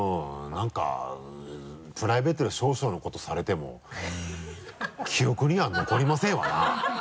なんかプライベートで少々のことされても記憶には残りませんわな。